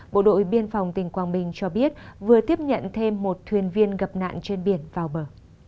bộ đội biên phòng tỉnh quảng bình cho biết vừa tiếp nhận thêm một thuyền viên gặp nạn trên biển vào bờ